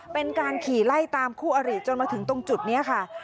เป็นการขี่ไล่ตามคู่อริจนมาถึงตรงจุดนี้ค่ะ